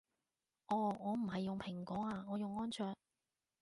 哦我唔係用蘋果啊我用安卓